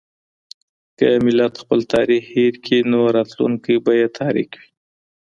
که ملت خپل تاريخ هېر کړي نو راتلونکی به يې تاريک وي.